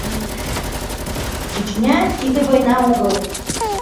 Чечня — тиде война огыл.